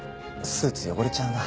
スーツ汚れちゃうな。